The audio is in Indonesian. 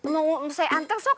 mau saya antar sok